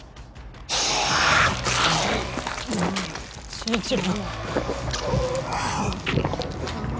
慎一郎？